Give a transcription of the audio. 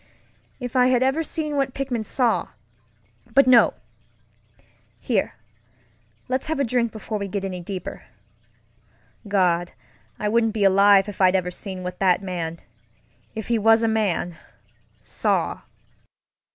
If I had ever seen what Pickman sawŌĆöbut no! Here, let's have a drink before we get any deeper. Gad, I wouldn't be alive if I'd ever seen what that manŌĆöif he was a manŌĆösaw!